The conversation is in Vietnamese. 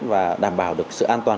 và đảm bảo được sự an toàn